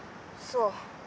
そう。